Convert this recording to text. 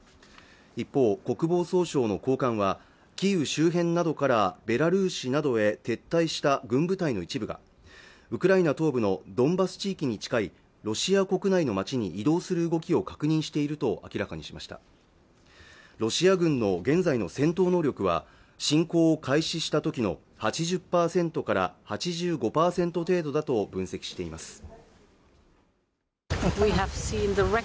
一方国防総省の高官はキーウ周辺などからベラルーシなどへ撤退した軍部隊の一部がウクライナ東部のドンバス地域に近いロシア国内の町に移動する動きを確認していると明らかにしましたロシア軍の現在の戦闘能力は侵攻を開始した時の８０％から８５％程度だと分析しています